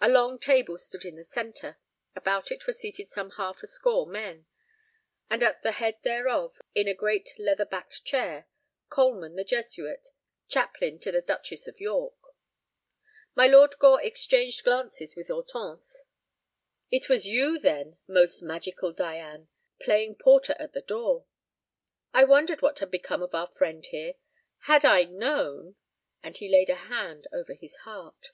A long table stood in the centre. About it were seated some half a score men, and at the head thereof, in a great leather backed chair, Coleman the Jesuit, chaplain to the Duchess of York. My Lord Gore exchanged glances with Hortense. "It was you, then, most magical Dian, playing porter at the door. I wondered what had become of our friend here. Had I known—" And he laid a hand over his heart.